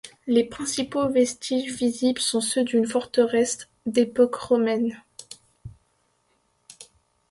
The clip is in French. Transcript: Les principaux vestiges visibles sont ceux d'une forteresse d'époque romaine.